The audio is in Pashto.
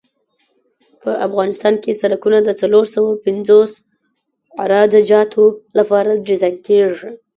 په افغانستان کې سرکونه د څلور سوه پنځوس عراده جاتو لپاره ډیزاین کیږي